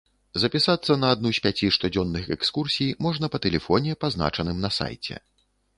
Запісацца на адну з пяці штодзённых экскурсій можна па тэлефоне, пазначаным на сайце.